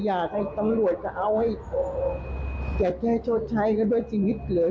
อยากให้ตำรวจก็เอาให้แก่แก้ชดใช้กันด้วยชีวิตเลย